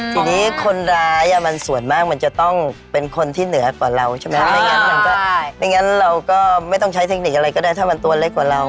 ทีนี้คนร้ายมันส่วนมากมันจะต้องเป็นคนที่เหนือกว่าเราใช่ไหมไม่งั้นมันก็ไม่งั้นเราก็ไม่ต้องใช้เทคนิคอะไรก็ได้ถ้ามันตัวเล็กกว่าเรา